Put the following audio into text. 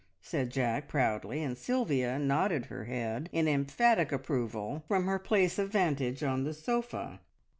said Jack proudly, and Sylvia nodded her head in emphatic approval from her place of vantage on the sofa.